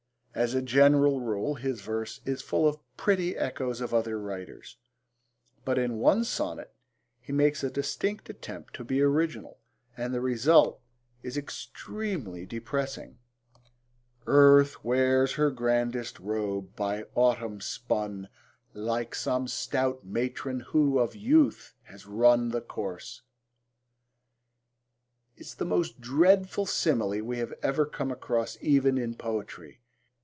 As a general rule, his verse is full of pretty echoes of other writers, but in one sonnet he makes a distinct attempt to be original and the result is extremely depressing. Earth wears her grandest robe, by autumn spun, Like some stout matron who of youth has run The course, ... is the most dreadful simile we have ever come across even in poetry.